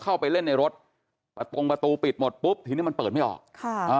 เข้าไปเล่นในรถประตงประตูปิดหมดปุ๊บทีนี้มันเปิดไม่ออกค่ะอ่า